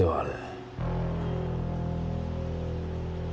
あれ？